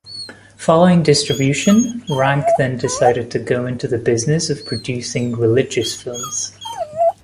Following distribution, Rank then decided to go into the business of producing religious films.